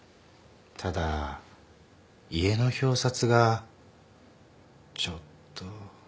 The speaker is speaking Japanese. ただ家の表札がちょっと。